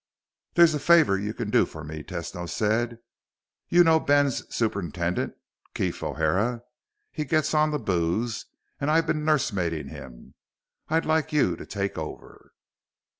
"There's a favor you can do for me," Tesno said. "You know Ben's superintendant, Keef O'Hara? He gets on the booze, and I've been nursemaiding him. I'd like you to take over."